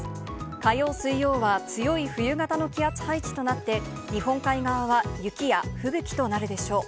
火曜、水曜は強い冬型の気圧配置となって、日本海側は雪や吹雪となるでしょう。